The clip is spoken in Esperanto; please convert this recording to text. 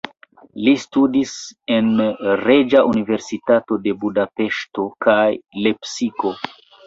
Li studis en Reĝa Universitato de Budapeŝto kaj Lepsiko.